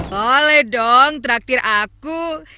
boleh dong traktir aku